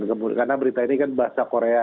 karena berita ini kan bahasa korea